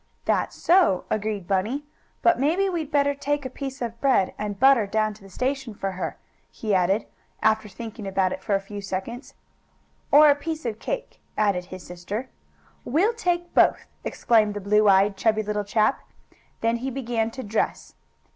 "That's so," agreed Bunny. "But maybe we'd better take a piece of bread and butter down to the station for her," he added, after thinking about it for a few seconds. "Or a piece of cake," added his sister. "We'll take both!" exclaimed the blue eyed, chubby little chap. Then he began to dress.